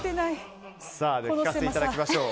聞かせていただきましょう。